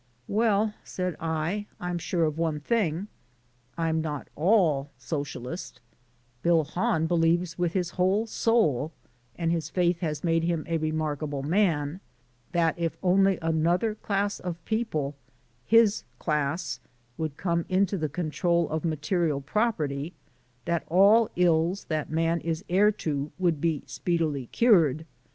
"Well," said I, "I'm sure of one thing. I'm not ALL Socialist, Bill Hahn believes with his whole soul (and his faith has made him a remarkable man) that if only another class of people his class could come into the control of material property, that all the ills that man is heir to would be speedily cured.